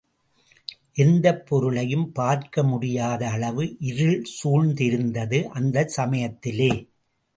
எந்தப் பொருளையும் பார்க்க முடியாத அளவு இருள் சூழ்ந்திருந்தது அந்தச் சமயத்திலே.